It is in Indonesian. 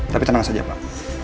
tapi tenang saja pak